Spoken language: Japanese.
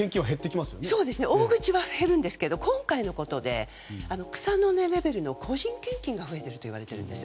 大口は減るんですけど今回のことで草の根レベルの個人献金が増えてるといわれているんです。